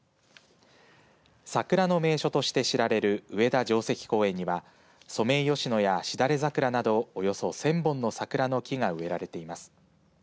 桜の名所として知られる上田城跡公園にはソメイヨシノやしだれ桜などおよそ１０００本の桜の木が植えられています。